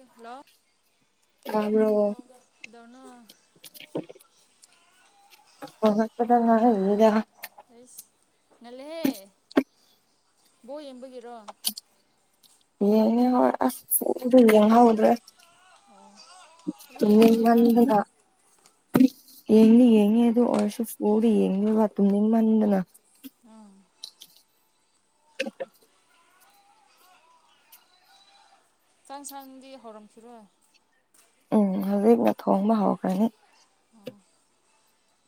ꯑꯦ hello ꯇꯥꯕ꯭ꯔꯣ ꯄꯥꯎꯒ ꯀꯩꯗꯧꯔꯤꯅꯣ ꯍꯜꯂꯛꯄꯗ ꯉꯥꯏꯔꯤꯗꯥ ꯑꯩꯁ ꯉꯜꯂꯦꯍꯦ ꯕꯣꯜ ꯌꯦꯡꯕꯒꯤꯔꯣ ꯌꯦꯉꯦ ꯍꯣꯏ ꯑꯁ ꯑꯗꯨꯕꯨꯗꯤ ꯍꯩꯚꯗꯦ ꯑꯗꯨ [unintelligible] ꯌꯦꯡꯕꯒꯤꯔꯅ ꯌꯦꯡꯗꯤ ꯌꯦꯡꯉꯦ ꯑꯗꯣ ꯑꯣꯎꯔꯁꯨ [unintelligible] ꯌꯦꯉꯒ ꯇꯨꯝꯅꯤꯡꯃꯟꯗꯅ ꯑꯥ [unintelligible] ꯆꯥꯛꯁꯪꯗꯤ ꯍꯧꯔꯝꯈꯤꯔꯣꯏ ꯎꯝ ꯍꯧꯖꯤꯛꯅ ꯊꯣꯡꯕ ꯍꯧꯈ꯭ꯔꯅꯤ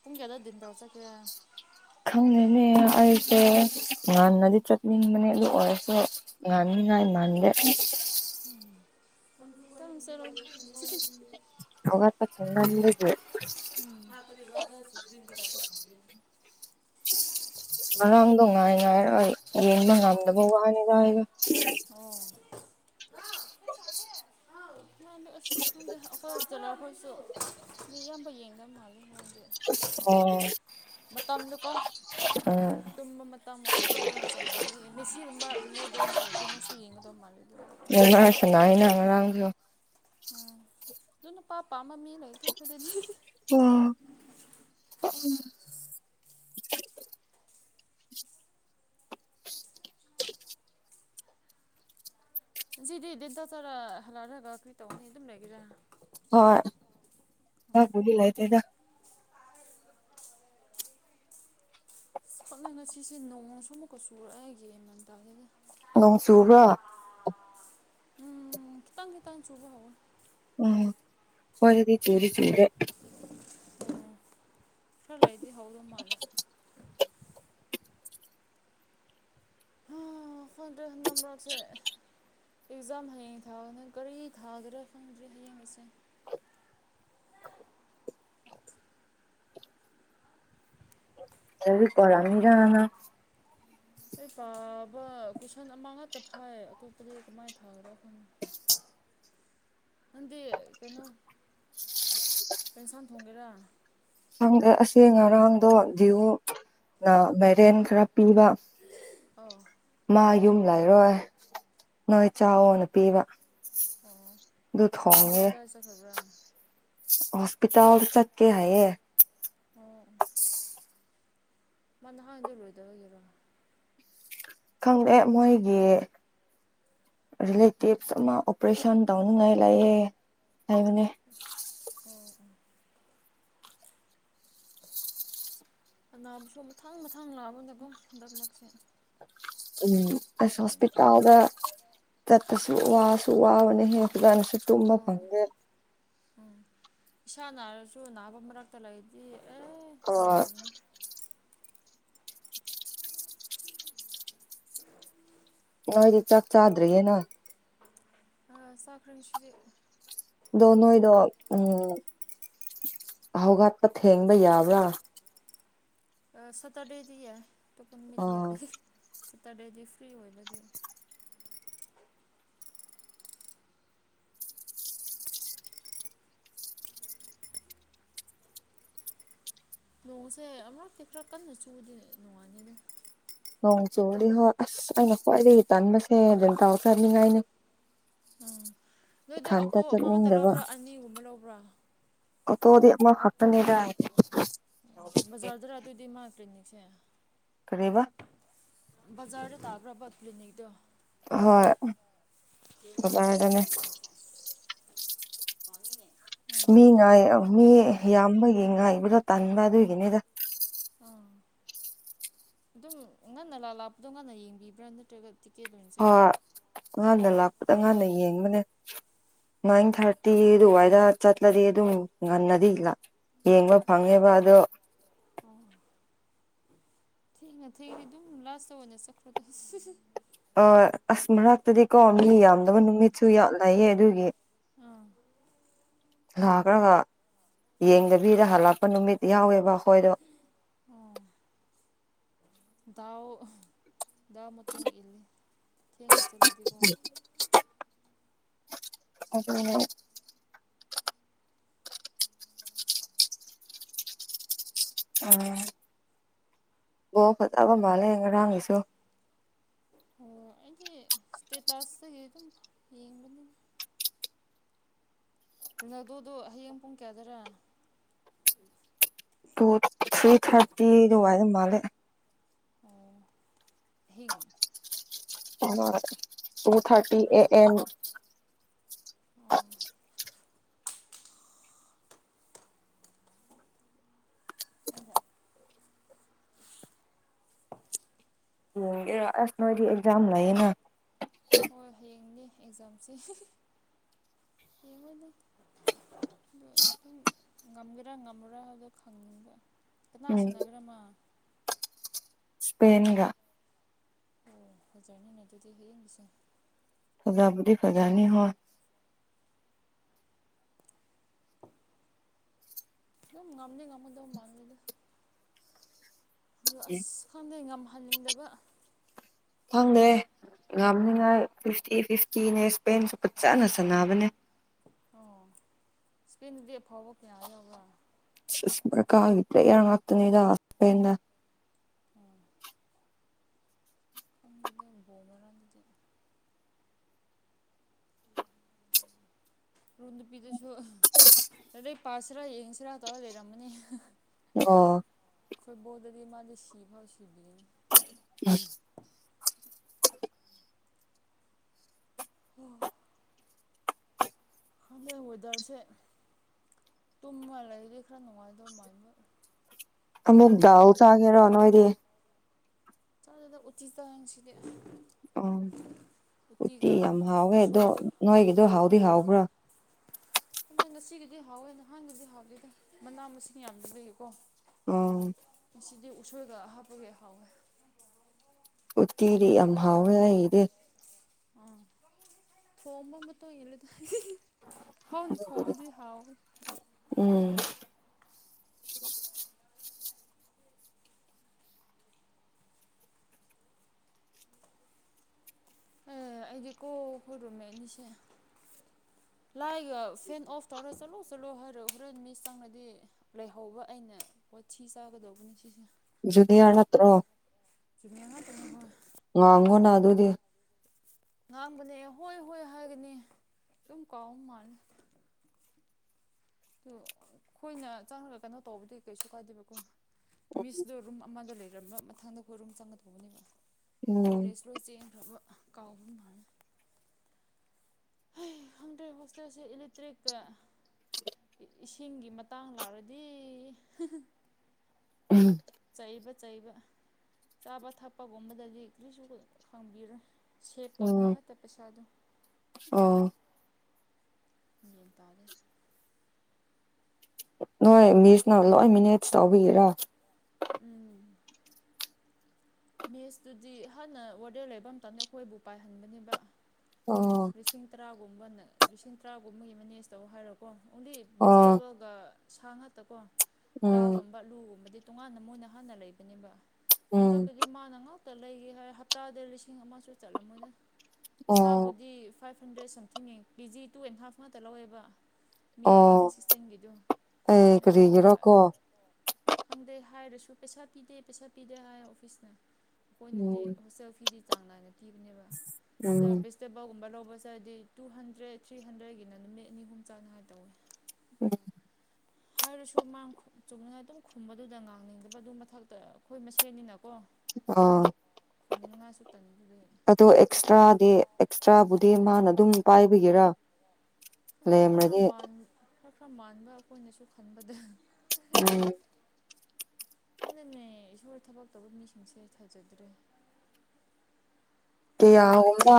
ꯄꯨꯡ ꯀꯌꯥꯗ ꯗꯤꯟ ꯇꯧ ꯆꯠꯀꯦꯔ ꯈꯪꯉꯦꯅꯦ ꯑꯩꯁꯦ ꯉꯥꯟꯅꯗꯤ ꯆꯠꯅꯤꯡꯕꯅꯦ ꯑꯗꯨ ꯑꯣꯏꯔꯁꯨ ꯉꯥꯅꯤ ꯍꯥꯏ ꯉꯥꯟꯗꯦ [unintelligible] ꯍꯧꯒꯄ ꯇꯟꯕ ꯃꯤꯗꯤ ꯎꯝ [unintelligible] ꯉꯔꯥꯡꯗꯣ ꯉꯥꯏ ꯉꯥꯏꯔ ꯌꯦꯡꯕ ꯉꯝꯗꯕ ꯋꯥꯅꯤꯗ ꯍꯥꯏꯗꯤ ꯑꯣ ꯃꯥꯗ ꯑꯁ ꯈꯪꯗꯦ ꯑꯩꯈꯣꯏ ꯁꯇꯦꯂꯥꯍꯣꯏꯁꯨ ꯃꯤ ꯑꯌꯥꯝꯕ ꯌꯦꯡꯗꯕ ꯃꯥꯜꯂꯤ ꯑꯣ ꯃꯇꯝꯗꯨꯀꯣ ꯑ ꯇꯨꯝꯕ ꯃꯇꯝꯃ ꯑꯗꯨꯒ ꯆꯥꯟꯅꯗꯣꯏ ꯃꯦꯁꯤꯒꯨꯝꯕ ꯔꯤꯅꯥꯜꯗꯣꯒꯨꯝꯕ ꯑꯣꯏꯗꯤ ꯃꯥꯁꯨ ꯌꯦꯡꯒꯗꯧ ꯃꯥꯜꯂꯤꯗ ꯁꯅꯥꯏꯅ ꯉꯔꯥꯡ [unintelligible] ꯎꯝ ꯑꯗꯨ ꯅꯨꯄꯥ ꯄꯥꯝꯕ ꯃꯤ ꯂꯩꯇꯦ ꯑꯩꯈꯣꯏꯗꯗꯤ ꯎꯝ [unintelligible] [unintelligible] ꯑꯗꯨꯝ ꯂꯩꯕ ꯌꯥꯔꯔꯣꯏ ꯍꯣꯏ ꯊꯕꯛꯄꯨꯗꯤ ꯂꯩꯇꯦꯗ ꯈꯛꯅ ꯉꯁꯤꯁꯦ ꯅꯣꯡꯃꯁꯨ ꯑꯃꯨꯛꯀ ꯆꯨꯔꯛꯑ ꯑꯩꯒꯤ ꯒ꯭ꯌꯥꯟ ꯃꯦꯟꯇꯥꯗꯦꯗ ꯅꯣꯡ ꯆꯨꯕ꯭ꯔ ꯎꯝ ꯈꯤꯇꯪ ꯒꯤꯇꯪ ꯆꯨꯕ ꯍꯧꯋꯦ ꯎꯝ ꯍꯣꯏꯗꯗꯤ ꯆꯨꯗꯤ ꯆꯨꯗꯦ ꯈꯔꯥ ꯂꯩꯥꯗꯤ ꯍꯧꯗꯧ ꯃꯥꯂꯦ ꯈꯪꯗ꯭ꯔꯦ ꯍꯟꯗꯛ ꯃꯔꯛꯁꯦ ꯑꯦꯛꯖꯥꯝ ꯍꯌꯦꯡ ꯊꯥꯒꯅꯤ ꯀꯔꯤ ꯊꯥꯗꯒ꯭ꯔ ꯈꯪꯗ꯭ꯔꯤ ꯍꯌꯦꯡꯒꯤꯁꯦ ꯑꯗꯨꯗꯤ [unintelligible] ꯑꯩ ꯄꯥꯕ ꯀꯣꯏꯁꯟ ꯑꯃ ꯉꯥꯛꯇ ꯐꯥꯏ ꯑꯇꯣꯞꯄꯗꯤ ꯀꯃꯥꯏꯅ ꯊꯥꯒꯗ꯭ꯔꯥ ꯈꯪ ꯅꯪꯗꯤ ꯀꯩꯅꯣ ꯀꯩꯁꯥꯡ ꯊꯣꯡꯒꯦꯔꯥ ꯈꯪꯗꯦ ꯑꯁꯦ ꯉꯔꯥꯡꯗꯣ ꯌꯨꯔꯨꯝ ꯃꯥꯏꯔꯦꯟ ꯈꯔ ꯄꯤꯕ ꯑꯣ ꯃꯥ ꯌꯨꯝ ꯂꯩꯔꯣꯏ ꯅꯣꯏ ꯆꯥꯎꯋꯣꯅ ꯄꯤꯕ ꯑꯣ ꯑꯗꯨ ꯃꯥꯗꯤ ꯊꯣꯡꯉꯦ ꯀꯗꯥꯏ ꯆꯠꯈꯕ꯭ꯔꯥ ꯍꯣꯁꯄꯤꯇꯥꯜ ꯆꯠꯀꯦ ꯍꯥꯏꯌꯦ ꯑ ꯃꯥ ꯅꯍꯥꯟꯗꯨ ꯂꯣꯏꯗꯕꯒꯤꯔꯣ ꯈꯪꯗꯦ ꯃꯣꯏꯒꯤ ꯔꯤꯂꯦꯇꯤꯚ ꯑꯃ ꯑꯣꯄꯔꯦꯁꯟ ꯇꯧꯅꯤꯡꯉꯥꯏ ꯂꯩꯌꯦ ꯍꯥꯏꯕꯅꯦ ꯎꯝ ꯎꯝ ꯑꯅꯥꯕꯁꯨ ꯃꯊꯪ ꯃꯊꯪ ꯂꯥꯛꯑꯕꯅꯒꯝ ꯍꯟꯗꯛ ꯂꯛꯁꯦ ꯎꯝ ꯑꯁ ꯇꯥꯗꯦ ꯍꯣꯁꯄꯤꯇꯥꯜꯗ ꯆꯠꯄꯁꯨ ꯋꯥ ꯁꯨ ꯋꯥꯕꯅꯦꯍꯦ ꯐꯖꯟꯅꯁꯨ ꯇꯨꯝꯕꯥ ꯐꯪꯗꯦ ꯎꯝ ꯏꯁꯥ ꯅꯥꯔꯁꯨ ꯅꯥꯕ ꯃꯔꯛꯇ ꯂꯩꯗꯤ ꯑꯦ ꯑꯣ ꯉꯝꯗꯕꯅꯤ ꯅꯣꯏꯗꯤ ꯆꯥꯛ ꯆꯥ꯭ꯔꯦ ꯌꯦꯅ ꯑ ꯆꯈ꯭ꯔꯦ ꯉꯁꯤꯗꯤ ꯗꯣ ꯅꯣꯏꯗꯣ ꯎꯝ ꯍꯧꯒꯠꯄ ꯊꯦꯡꯕ ꯌꯥꯕ꯭ꯔꯥ ꯁꯇꯔꯗꯦꯗꯤ ꯌꯥꯏ ꯇꯣꯄꯟ ꯅꯨꯃꯤꯗꯤ ꯑꯥ ꯌꯥꯗꯦ ꯁꯦꯇꯔꯗꯦꯗꯤ ꯐ꯭ꯔꯤ ꯑꯣꯏꯕ ꯑꯗꯨꯏ ꯅꯣꯡꯁꯦ ꯑꯃꯛꯇꯤ ꯈꯔ ꯀꯟꯅ ꯆꯨꯔꯗꯤ ꯅꯣꯡꯉꯥꯅꯤꯗ ꯅꯣꯡ ꯆꯨꯗꯤ ꯍꯣꯏ ꯑꯁ ꯑꯩꯅ ꯈ꯭ꯋꯥꯏꯗꯒꯤ ꯇꯟꯥꯟꯕꯁꯦ ꯑꯗꯨꯦꯟ ꯇꯥꯎ ꯆꯥꯅꯤꯡꯉꯥꯏꯅꯦ ꯎꯝ ꯅꯣꯏꯗꯤ ꯏꯊꯟꯇ ꯑꯥꯎꯇꯣ ꯑꯃ ꯉꯛꯇ ꯆꯠꯅꯤꯡꯗꯕ ꯂꯧꯕ꯭ꯔꯥ ꯑꯅꯤꯒꯨꯝꯕ ꯂꯧꯕ꯭ꯔꯥ ꯑꯣꯠꯇꯣꯗꯤ ꯑꯃꯥ ꯈꯛꯇꯅꯦꯗ ꯕꯖꯥ꯭ꯔꯗꯔ ꯑꯗꯣꯏꯗꯤ ꯃꯥ ꯀ꯭ꯂꯤꯅꯤꯛꯁꯦ ꯀꯔꯤꯕ ꯕꯖꯥꯔꯗ ꯇꯥꯕ꯭ꯔꯕꯥ ꯀ꯭ꯂꯤꯅꯤꯛ ꯇꯣ ꯍꯣꯏ ꯇꯦꯝꯒꯤ ꯕꯖꯥꯔꯗꯅꯦ ꯄꯈꯥꯡ ꯁꯦꯁ ꯃꯥꯡꯉꯤꯅꯦ ꯃꯤ ꯉꯥꯏ ꯑ ꯃꯤ ꯌꯥꯝꯕꯒꯤ ꯉꯥꯏꯕꯗꯣ ꯇꯟꯕ ꯑꯗꯨꯒꯤꯅꯤꯗ ꯑꯪ ꯑꯗꯨꯝ ꯉꯟꯅ ꯂ ꯂꯥꯛꯄꯗꯣ ꯉꯟꯅ ꯌꯦꯡꯕꯤꯕ꯭ꯔꯥ ꯅꯠꯇ꯭ꯔꯒ ꯇꯤꯀꯦꯠ ꯑꯣꯏꯅ ꯆꯕ꯭ꯔ ꯉꯥꯟꯅ ꯂꯥꯛꯄꯗ ꯉꯥꯟꯅ ꯌꯦꯡꯕꯅꯦ ꯅꯥꯏꯟ ꯑꯣ ꯊꯥꯔꯇꯤ ꯑꯗꯨꯋꯥꯏꯗ ꯆꯠꯂꯗꯤ ꯑꯗꯨꯝ ꯉꯟꯅꯗꯤ ꯂ ꯌꯦꯡꯕ ꯐꯪꯉꯦꯕ ꯑꯗꯣ ꯊꯦꯡꯉꯥ ꯊꯦꯡꯉꯦ ꯑꯗꯨꯝ ꯂꯥꯁ ꯇꯥ ꯑꯣꯏꯅ ꯆꯠꯈ꯭ꯔꯣꯗ [unintelligible] ꯑ ꯑꯁ ꯃꯔꯛꯇꯗꯤ ꯀꯣ ꯃꯤ ꯌꯥꯝꯗꯕ ꯎꯝ ꯅꯨꯃꯤꯠꯁꯨ ꯌꯥꯎ ꯂꯩꯌꯦ ꯑꯗꯨꯒꯤ ꯑꯥ ꯂꯈ꯭ꯔꯒ ꯌꯦꯡꯗꯕꯤꯗ ꯍꯜꯂꯛꯄ ꯅꯨꯃꯤꯠ ꯌꯥꯎꯋꯦꯕ ꯑꯩꯈꯣꯏꯗꯣ ꯑꯣ ꯗꯥꯎ ꯗꯥꯎ ꯃꯇꯨꯡ ꯏꯜꯂꯤ ꯊꯦꯡꯅ ꯆꯠꯂꯗꯤꯀꯣ ꯑꯗꯨꯅꯦ ꯎꯝ ꯕꯣ ꯐꯖꯕ ꯉꯔꯥꯡꯒꯤꯁꯨ ꯍꯥꯏꯗꯤ ꯏꯁꯇꯦꯇꯥꯁꯇꯒꯤ ꯑꯗꯨꯝ ꯌꯦꯡꯕꯅꯤꯗ ꯔꯣꯅꯥꯜꯗꯣꯗꯣ ꯍꯌꯦꯡ ꯄꯨꯡ ꯀꯌꯥꯗꯔꯥ ꯇꯨ ꯊ꯭ꯔꯤ ꯎꯝ ꯊꯥꯔꯇꯤꯗꯨꯋꯥꯏ ꯃꯥꯂꯦ ꯑꯣ ꯑꯍꯤꯛ [unintelligible] ꯇꯨ ꯊꯥꯔꯇꯤ ꯑꯌꯨꯛꯇꯔꯥ ꯑꯦ ꯑꯦꯝ [unintelligible] [unintelligible] ꯌꯦꯡꯒꯦꯔ ꯑꯁ ꯅꯣꯏꯗꯤ ꯑꯦꯛꯖꯥꯝ ꯂꯌꯦꯅ ꯍꯣꯏ ꯍꯌꯦꯡꯅꯦ ꯑꯦꯛꯖꯥꯝꯁꯦ ꯌꯦꯡꯉꯣꯏꯗ ꯑꯣ ꯑꯗꯨꯝ ꯉꯝꯒꯦꯔꯥ ꯉꯝꯃ꯭ꯔꯥ ꯍꯥꯏꯗꯣ ꯈꯪꯗꯦ ꯀꯅꯥ ꯎꯝ ꯁꯥꯅꯒꯦ꯭ꯔ ꯑꯃ ꯁꯄꯦꯟꯒ ꯑꯣ ꯐꯖꯅꯤꯅꯦ ꯑꯗꯨꯗꯤ ꯍꯌꯦꯒꯤꯁꯦ ꯐꯖꯥꯕꯨꯗꯤ ꯐꯖꯥꯅꯤ ꯍꯣꯏ ꯑꯗꯨꯝ ꯉꯝꯗꯤ ꯉꯝꯒꯗꯕ ꯃꯥꯥꯡꯂꯤꯗ ꯑꯗꯨ ꯑꯁ ꯈꯪꯗꯦ ꯉꯝꯍꯟꯅꯤꯡꯗꯕ ꯈꯪꯗ꯭ꯔꯦ ꯉꯝꯅꯤꯉꯥꯏ ꯐꯤꯐꯇꯤ ꯐꯤꯐꯇꯤꯅꯦ ꯏꯁꯄꯦꯟꯁꯨ ꯐꯥꯖꯥꯅ ꯁꯥꯟꯅꯕꯅꯦ ꯑꯣ ꯏꯁꯄꯦꯟꯗꯤ ꯑꯐꯥꯎꯕ ꯀꯌꯥ ꯌꯥꯎꯕ꯭ꯔꯥ ꯁꯤꯃꯔ ꯀꯥꯈꯤꯕꯗꯨꯗꯤ ꯑꯌꯥ ꯉꯥꯛꯇꯅꯤꯗ ꯏꯁꯄꯦꯟꯅ ꯑꯥ ꯃꯐꯝꯗꯨꯗ ꯕꯣꯜ ꯉꯔꯥꯡꯒꯤꯗꯣ ꯃꯔꯨꯞ ꯅꯨꯄꯤꯗꯨꯁꯨ ꯍꯧꯖꯤꯛ ꯄꯥꯁꯁꯤꯔꯥ ꯌꯦꯡꯁꯤꯔꯥ ꯇꯧꯔ ꯂꯩꯔꯝꯃꯅꯤ ꯑꯣ ꯐꯨꯠꯕꯣꯜꯗꯗꯤ ꯃꯥꯗꯤ ꯁꯤꯚꯥꯎ ꯁꯤꯕꯤꯒꯅꯤ ꯑꯝ ꯍꯣ ꯈꯪꯗꯦ ꯋꯦꯗꯔꯁꯦ ꯇꯨꯝꯃ ꯂꯩꯔꯗꯤ ꯈꯔ ꯅꯨꯡꯉꯥꯏꯗꯧ ꯃꯥꯥꯟꯕ ꯑꯃꯨꯛ ꯗꯥꯎ ꯆꯥꯒꯦꯔꯣ ꯅꯣꯏꯗꯤ ꯆꯥꯗꯦꯗ ꯎꯠꯇꯤ ꯆꯥꯏ ꯉꯁꯤꯗꯤ ꯑꯪ ꯎꯠꯇꯤ ꯎꯇꯤꯒ ꯌꯥꯝ ꯍꯥꯎꯋꯦ ꯑꯗꯣ ꯎꯁꯣꯏꯗꯨ ꯅꯣꯏꯒꯤꯗꯣ ꯍꯥꯎꯗꯤ ꯍꯥꯎꯕ꯭ꯔꯥ ꯍꯟꯗꯛ ꯉꯁꯤꯒꯤꯗꯤ ꯍꯥꯎꯋꯦ ꯅꯍꯥꯟꯒꯤꯗꯤ ꯍꯥꯎꯗꯦꯗ ꯃꯅꯥ ꯃꯁꯤꯡ ꯌꯥꯝꯗꯕꯒꯤ ꯀꯣ ꯎꯝ ꯉꯁꯤꯗꯤ ꯎꯁꯣꯏꯒ ꯍꯥꯞꯄꯒꯤ ꯍꯥꯎꯋꯦ ꯎꯠꯇꯤꯗꯤ ꯌꯥꯝ ꯍꯥꯎꯋꯦ ꯑꯩꯒꯤꯗꯤ ꯑꯥ ꯊꯣꯡꯕ ꯃꯇꯨꯡ ꯏꯜꯂꯦꯗ ꯍꯥꯎꯅ ꯑꯗꯨꯕꯨꯗꯤ꯫ ꯊꯣꯡꯉꯗꯤ ꯍꯥꯎꯋꯦ ꯎꯝ ꯑꯦ ꯑꯩꯗꯤ ꯀꯣ ꯑꯈꯣꯏ ꯔꯨꯝꯃꯦꯠ ꯑꯅꯤꯁꯦ ꯂꯥꯏꯒ ꯐꯦꯟ ꯑꯣꯐ ꯇꯧꯔ ꯆꯠꯂꯣ ꯆꯠꯂꯣ ꯍꯥꯏꯔꯛ ꯍꯣꯔꯦꯟ ꯃꯤ ꯆꯪꯂꯗꯤ ꯂꯩꯍꯧꯕ ꯑꯩꯅ ꯆꯥꯊꯤ ꯆꯥꯒꯗꯧꯕꯅꯤ ꯁꯤꯁꯦ ꯖꯨꯅꯤꯌꯥꯔ ꯅꯠꯇ꯭ꯔꯣ ꯆꯨꯝꯃꯦ ꯉꯥꯛꯇꯅꯤ ꯍꯣꯏ ꯉꯥꯡꯉꯣꯅ ꯑꯗꯨꯗꯤ ꯉꯥꯡꯕꯅꯦ ꯍꯣꯏ ꯍꯣꯏ ꯍꯥꯏꯒꯅꯤ ꯑꯗꯨꯝ ꯀꯥꯎ ꯃꯥꯜꯂꯦ ꯑꯗꯨ ꯑꯩꯈꯣꯏꯅ ꯆꯪꯂꯒ ꯀꯩꯅꯣ ꯇꯧꯕꯗꯤ ꯀꯩꯁꯨ ꯀꯥꯏꯗꯦꯕꯀꯣ ꯃꯤꯁꯇꯣ ꯔꯨꯝ ꯑꯃꯗ ꯂꯩꯔꯝꯕ ꯃꯊꯪꯗ ꯑꯩꯈꯣꯏ ꯔꯨꯝ ꯆꯪꯒꯗꯧꯕꯅꯦꯕ ꯎꯝ ꯀꯣꯂꯦꯖ ꯂꯣꯏ ꯆꯦꯈ꯭ꯔꯕ ꯀꯥꯎꯕ ꯃꯥꯜꯂꯦ ꯑꯩ ꯈꯪꯗ꯭ꯔꯦ ꯍꯣꯁꯇꯦꯜꯁꯦ ꯏꯂꯦꯛꯇ꯭ꯔꯤꯛꯀ ꯏꯁꯤꯡꯒꯤ ꯃꯇꯥꯡ ꯂꯥꯛꯔꯗꯤ ꯎꯝ ꯆꯩꯕ ꯆꯩꯕ ꯆꯥꯕ ꯊꯛꯄꯒꯨꯝꯕꯗꯗꯤ ꯀꯔꯤꯁꯨ ꯈꯪꯕꯤꯔꯣꯏ ꯁꯦꯞ ꯇꯧꯅꯉꯥꯏ ꯎꯝ ꯉꯥꯛꯇ ꯄꯩꯁꯥꯗꯣ ꯑꯣ ꯃꯦꯟ ꯇꯥꯗꯦ ꯅꯣꯏ ꯃꯤꯁꯅ ꯂꯣꯏ ꯃꯦꯅꯦꯖ ꯇꯧꯕꯤꯒꯤꯔ ꯎꯝ ꯃꯦꯁꯇꯨꯗꯤ ꯍꯥꯟꯅ ꯋꯥꯔꯗꯦꯟ ꯂꯩꯕ ꯝꯇꯝꯗ ꯑꯩꯈꯣꯏꯕꯨ ꯄꯥꯏꯍꯟꯕꯅꯦꯕ ꯑꯣ ꯂꯤꯁꯤꯡ ꯇꯔꯥꯒꯨꯝꯕꯅ ꯂꯤꯁꯤꯡ ꯇꯔꯥꯒꯨꯝꯕꯒꯤ ꯃꯦꯅꯦꯖ ꯇꯧ ꯍꯥꯏꯔꯣꯀꯣ ꯑꯣꯡꯂꯤ ꯑꯣ ꯚꯦꯖꯤꯇꯦꯕꯜꯒ ꯁꯥ ꯉꯥꯛꯇꯀꯣ ꯎꯝ ꯗꯥꯒꯨꯝꯕ ꯂꯨꯒꯨꯝꯕꯗꯤ ꯇꯣꯉꯥꯟꯅ ꯃꯣꯏꯅ ꯍꯥꯟꯅ ꯂꯩꯕꯅꯦꯕ ꯎꯝ ꯍꯟꯗꯛꯇꯨꯗꯤ ꯃꯥꯅ ꯉꯥꯛꯇ ꯂꯩꯒꯦ ꯍꯥꯏ ꯍꯞꯇꯥꯗ ꯂꯤꯁꯤꯡ ꯑꯃꯁꯨ ꯆꯠꯂꯝꯃꯣꯏꯅ ꯑꯣ ꯁꯥꯕꯨꯗꯤ ꯗꯤ ꯐꯥꯏꯚ ꯍꯟꯗ꯭ꯔꯦꯗ ꯁꯝꯊꯤꯡꯅꯦ ꯀꯦꯖꯤ ꯇꯨ ꯑꯦꯟ ꯍꯥꯐ ꯉꯥꯛꯇ ꯂꯧꯋꯦꯕ ꯃꯤ ꯐꯤꯐꯇꯤꯟ ꯑꯣ ꯁꯤꯛꯁꯇꯤꯟꯒꯤꯗꯨ ꯑꯩ ꯑꯗꯨꯒ ꯀꯔꯤꯒꯤꯔꯀꯣ ꯈꯪꯗꯦ ꯍꯥꯏꯔꯁꯨ ꯄꯩꯁꯥ ꯄꯤꯗꯦ ꯄꯩꯁꯥ ꯄꯤꯗꯦ ꯍꯥꯏ ꯑꯣꯐꯤꯁꯅ ꯑꯩꯈꯣꯏꯅꯗꯤ ꯎꯝ ꯍꯣꯁꯇꯦꯜ ꯐꯤꯗꯤ ꯆꯥꯡ ꯅꯥꯏꯅ ꯊꯤꯕꯅꯦꯕ ꯑꯗꯣ ꯎꯝ [unintelligible] ꯂꯧꯕ ꯆꯠꯂꯗꯤ ꯇꯨ ꯍꯟꯗ꯭ꯔꯦꯗ ꯊ꯭ꯔꯤ ꯍꯟꯗ꯭ꯔꯦꯗꯀꯤꯅ ꯅꯨꯃꯤꯠ ꯑꯅꯤ ꯑꯍꯨꯝ ꯆꯥꯅꯤꯉꯥꯏ ꯇꯧꯋꯦ ꯎꯝ ꯍꯥꯏꯔꯁꯨ ꯃꯥꯡ ꯆꯨꯝꯅꯅ ꯑꯗꯨꯝ ꯈꯨꯝꯕꯗꯨꯗ ꯉꯥꯡꯅꯤꯡꯗꯕ ꯑꯗꯨ ꯃꯊꯛꯇ ꯑꯩꯈꯣꯏ ꯃꯁꯦꯟꯅꯤꯅꯀꯣ ꯑꯥ [unintelligible] ꯇꯟꯕꯗꯨ ꯑꯗꯣ ꯑꯦꯛꯁꯇ꯭ꯔꯥꯗꯤ ꯑꯦꯛꯁꯇ꯭ꯔꯥꯕꯨꯗꯤ ꯃꯥꯅ ꯑꯗꯨꯝ ꯄꯥꯏꯕꯒꯤꯔ ꯈꯪꯗ ꯈꯔ ꯈꯔ ꯃꯥꯟ ꯈꯔ ꯈꯔ ꯃꯥꯟꯕ ꯑꯩꯈꯣꯏꯅꯁꯨ ꯈꯟꯕꯗ ꯎꯝ [inaudible] ꯈꯪꯗꯦꯅꯦ ꯏꯁꯣꯔ ꯊꯕꯛ ꯇꯧꯕ ꯃꯤꯁꯤꯡꯁꯦ ꯊꯥꯖꯗ꯭ꯔꯦ ꯀꯌꯥꯒꯨꯝꯕ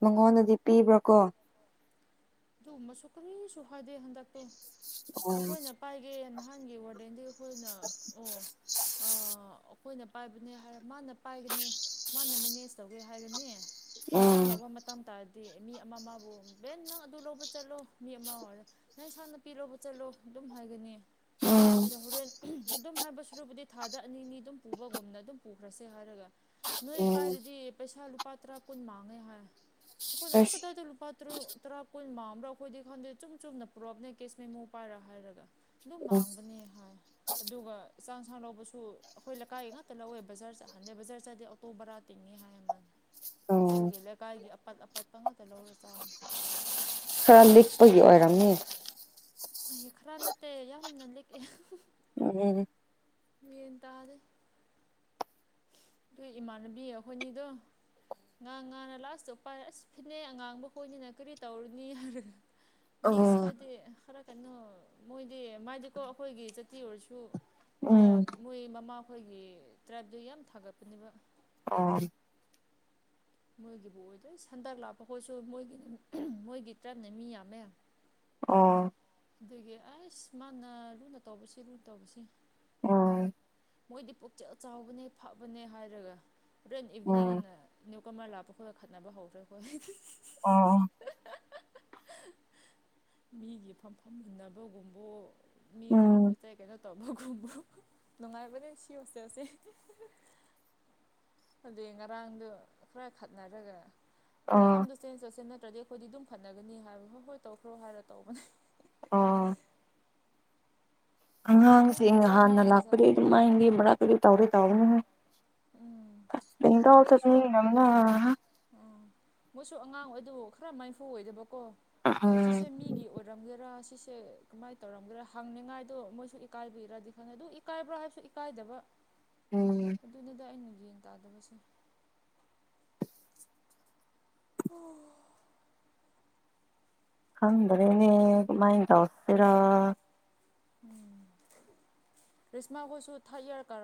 ꯃꯉꯣꯟꯗꯗꯤ ꯄꯤꯕ꯭ꯔꯥ ꯀꯣ ꯑꯗꯨꯒꯨꯝꯕꯁꯨ ꯀꯔꯤꯁꯨ ꯍꯥꯏꯗꯦ ꯍꯟꯗꯛꯇꯣ ꯎꯝ ꯑꯩꯈꯣꯏꯅ ꯄꯥꯏꯒꯦ ꯅꯍꯥꯟꯒꯤ ꯋꯥꯔꯗꯦꯟꯗꯤ ꯑꯩꯈꯣꯏꯅ ꯑꯣ ꯑ ꯑꯩꯈꯣꯏꯅ ꯄꯥꯏꯕꯅꯦ ꯍꯥꯏꯔ ꯃꯥꯅ ꯄꯥꯏꯒꯅꯤ ꯃꯥꯅ ꯃꯦꯅꯦꯖ ꯇꯧꯒꯦ ꯍꯥꯏꯔꯅꯤ ꯎꯝ ꯏꯟꯁꯥꯡ ꯂꯧꯕ ꯃꯇꯝ ꯇꯥꯔꯗꯤ ꯃꯤ ꯑꯃ ꯑꯃꯕꯨ ꯕꯦꯟ ꯅꯪ ꯇꯨ ꯂꯧꯕ ꯆꯠꯂꯣ ꯃꯤ ꯑꯃ ꯑꯣꯏꯔꯣ ꯅꯪ ꯏꯁꯥꯡ ꯅꯥꯄꯤ ꯂꯧꯕ ꯆꯠꯂꯣ ꯑꯗꯨꯝ ꯍꯥꯏꯒꯅꯤ ꯎꯝ [unintelligible] ꯍꯣꯔꯦꯟ ꯑꯗꯨꯝ ꯍꯥꯏꯕ ꯁꯔꯨꯛꯕꯨꯗꯤ ꯊꯥꯗ ꯑꯅꯤ ꯑꯅꯤ ꯑꯗꯨꯝ ꯄꯨꯕꯒꯨꯝꯅ ꯑꯗꯨꯝ ꯄꯨꯈ꯭ꯔꯁꯦ ꯍꯥꯏꯔꯒ ꯅꯣꯏ ꯎꯝ ꯄꯥꯏꯔꯗꯤ ꯄꯩꯁꯥ ꯂꯨꯄꯥ ꯇꯔꯥ ꯀꯨꯟ ꯃꯥꯡꯉꯦ ꯍꯥꯏ ꯑꯩꯈꯣꯏꯅ ꯑꯁ ꯑꯦ ꯀꯗꯥꯏꯗ ꯂꯨꯄꯥ ꯇꯔꯨꯛ ꯇꯔꯥ ꯀꯨꯟ ꯃꯥꯡꯕ꯭ꯔꯥ ꯑꯩꯈꯣꯏꯗꯤ ꯈꯪꯗꯦ ꯆꯨꯝ ꯆꯨꯝꯅ ꯄꯨꯔꯛꯄꯅꯦ ꯀꯦꯁ ꯃꯦꯃꯣ ꯄꯥꯏꯔ ꯍꯥꯏꯔꯒ ꯑꯗꯨꯝ ꯎꯝ ꯃꯥꯡꯕꯅꯦ ꯍꯥꯏ ꯑꯗꯨꯒ ꯆꯥꯛ ꯏꯟꯁꯥꯡ ꯂꯧꯕꯁꯨ ꯑꯩꯈꯣꯏ ꯂꯩꯀꯥꯏ ꯉꯥꯛꯇ ꯂꯧꯋꯦ ꯕꯖꯥꯔ ꯆꯠ ꯍꯟꯗꯦ ꯕꯖꯥꯔ ꯆꯥꯠꯂꯗꯤ ꯇꯣ ꯕꯔꯥ ꯇꯤꯡꯉꯤ ꯍꯥꯏ ꯃꯥꯅ ꯎꯝ ꯑꯗꯨꯒꯤ ꯂꯩꯀꯥꯏꯒꯤ ꯑꯄꯠ ꯑꯄꯠꯄ ꯉꯥꯛꯇ ꯂꯧꯔ ꯆꯥꯍꯟ ꯈꯔ ꯂꯤꯄꯒꯤ ꯑꯣꯏꯔꯝꯅꯤ ꯈꯔ ꯅꯠꯇꯦ ꯌꯥꯝꯅ ꯂꯤꯛꯑꯦ [unintelligible] ꯌꯦꯟ ꯇꯥꯗꯦ [unintelligible] ꯏꯃꯥꯟꯅꯕꯤ ꯑꯩꯈꯣꯏꯅꯤꯗꯨ ꯉꯥꯡ ꯉꯥꯅ ꯂꯥꯁ ꯎꯄꯥꯏ ꯑꯁ ꯐꯤꯅꯩ ꯑꯉꯥꯡꯕ ꯍꯣꯏꯅꯤꯅ ꯀꯔꯤ ꯇꯧꯔꯨꯅꯤ ꯍꯥꯏꯔꯒ ꯃꯤꯛꯁ ꯎꯝ ꯈꯣꯏꯗꯤ ꯈꯔ ꯀꯩꯅꯣ ꯃꯣꯏꯗꯤ ꯃꯥꯏꯗꯤꯀꯣ ꯑꯩꯈꯣꯏꯒꯤ ꯖꯥꯇꯤ ꯑꯣꯏꯔꯁꯨ ꯃꯥ ꯎꯝ ꯃꯣꯏ ꯃꯃꯥꯈꯣꯏꯒꯤ ꯇ꯭ꯔꯥꯏꯕꯇꯤ ꯌꯥꯝ ꯊꯥꯒꯠꯄꯅꯦꯕ ꯑꯣ ꯃꯣꯏꯒꯤꯕꯨ ꯑꯣꯏꯗꯣꯏ ꯍꯟꯗꯛ ꯂꯥꯛꯄꯈꯣꯏꯁꯨ ꯃꯣꯏꯒꯤ ꯃꯣꯏꯒꯤ ꯇ꯭ꯔꯞꯅ ꯃꯤ ꯌꯥꯝꯃꯦ ꯑꯣ ꯑꯗꯒꯤ ꯑꯁ ꯃꯥꯅ ꯂꯨꯅ ꯇꯧꯕꯁꯤ ꯂꯨꯅ ꯇꯧꯕꯁꯤ ꯎꯝ ꯃꯣꯏꯗꯤ ꯄꯨꯛꯆꯦꯜ ꯆꯥꯎꯕꯅꯦ ꯐꯕꯅꯦ ꯍꯥꯏꯔꯒ ꯍꯣꯔꯦꯟ ꯎꯝ ꯏꯚꯤꯅꯤꯡ ꯅ ꯅꯨꯏ ꯀꯃꯔ ꯂꯥꯞꯄ ꯈꯣꯏꯒ ꯈꯠꯅꯕ ꯍꯧꯒ꯭ꯔꯦ ꯑꯩꯈꯣꯏ ꯑꯣ ꯃꯤꯒꯤ ꯐꯝ ꯐꯝꯃꯨꯟꯅꯕꯒꯨꯝꯕ ꯃꯤꯒꯤ ꯎꯝ ꯄꯣꯠ ꯆꯩ ꯀꯩꯅꯣ ꯇꯧꯕꯣꯛ ꯈꯨ [unintelligible] ꯅꯨꯡꯉꯥꯏꯕꯅꯦ ꯁꯤ ꯍ‌ꯣꯁꯇ‌ꯦꯜꯁꯦ ꯑꯗꯨꯏ ꯉꯔꯥꯡꯗꯨ ꯈꯔ ꯈꯠꯅꯔꯒ ꯑꯣ ꯐꯝꯐꯝꯗꯨ ꯆꯦꯟꯁ ꯇꯧꯁꯤ ꯅꯠꯇ꯭ꯔꯗꯤ ꯈꯣꯏꯗꯤ ꯗꯨꯝ ꯈꯠꯅꯒꯅꯤ ꯍꯥꯏꯕ ꯍꯣꯍꯣꯏ ꯇꯧꯈ꯭ꯔꯣ ꯍꯥꯏꯔ ꯇꯧꯕꯟ ꯑꯣ ꯅꯨꯡꯉꯥꯏꯕꯅꯦ ꯑꯉꯥꯡꯁꯤꯡ ꯗ꯭ꯔꯃꯥ ꯍꯥꯟꯅ ꯖꯥꯠ ꯖꯥꯠ ꯂꯥꯛꯄꯗꯩ ꯇꯧꯕꯅꯦ ꯗꯨꯃꯥꯏꯟꯒꯤ ꯃꯔꯛ ꯑꯗꯨ ꯇꯧꯒ‌ꯦ ꯇꯧꯕꯅꯤꯍ‌ꯦ ꯎꯝ ꯑꯁ [unintelligible] ꯆꯠꯅꯤꯡꯉꯤ ꯌꯥꯝꯅ ꯑꯣ ꯃꯣꯏꯁꯨ ꯑꯉꯥꯡ ꯑꯣꯏꯗꯨ ꯈꯔ ꯃꯥꯏꯐꯨ ꯑꯣꯏꯗꯕꯀꯣ ꯑꯣ ꯎꯝ ꯁꯤꯁꯦ ꯃꯤꯒꯤ ꯑꯣꯏꯔ ꯔꯝꯒꯦꯔꯥ ꯁꯤꯁꯦ ꯀꯃꯥꯏꯟ ꯇꯧꯔꯝꯒꯦꯔꯥ ꯍꯪꯅꯤꯡꯉꯥꯏꯗꯣ ꯃꯣꯏꯁꯨ ꯏꯀꯥꯏꯕꯩꯔꯗꯤ ꯈꯪꯗ‌ꯦ ꯗꯨ ꯏ ꯀꯥꯏꯕ꯭ꯔꯥ ꯍꯥꯏꯁꯨ ꯏꯀꯥꯏꯗꯕ ꯎꯝ ꯑꯗꯨꯅꯤꯗ ꯑꯩꯅ ꯒ‌ꯦꯟ ꯇꯥꯗꯕꯁꯦ ꯑꯣ ꯈꯪꯗꯔꯦꯅꯦ ꯀꯃꯥꯥꯏꯟ ꯇꯧꯁꯤꯔꯥ ꯎꯝ ꯔ‌ꯦꯁꯃꯥ ꯈ‌ꯣꯏꯁꯨ ꯊꯥꯔꯠ ꯏꯌꯔ ꯀꯥꯔ